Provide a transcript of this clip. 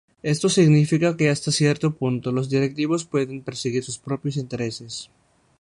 Esto significa que hasta cierto punto los directivos pueden perseguir sus propios intereses.